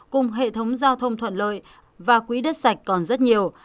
cùng hệ thống giao thông thuận lợi và quỹ đất sạch còn rất nhiều